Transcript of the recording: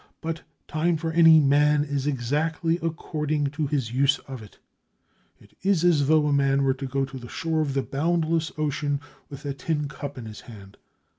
But time for any man is exactly according to his use of it. It is as though a man were to go to the shore of the boundless ocean, with a tin cup in his hand.